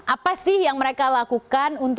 apa sih yang mereka lakukan untuk aktivitas mereka